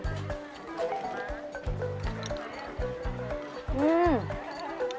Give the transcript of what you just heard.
pertama kali saya nyobain yang ini